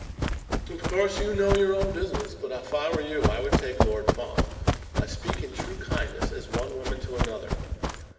"Of course you know your own business, but if I were you I would take Lord Fawn. I speak in true kindness, as one woman to another.